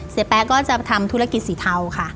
แป๊ะก็จะทำธุรกิจสีเทาค่ะ